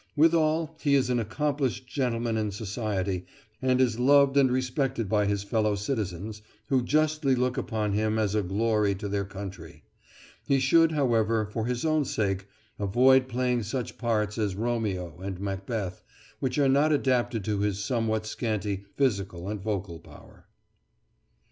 Withal he is an accomplished gentleman in society, and is loved and respected by his fellow citizens, who justly look upon him as a glory to their country. He should, however, for his own sake, avoid playing such pants as Romeo and Macbeth, which are not adapted to his somewhat scanty physical and vocal power.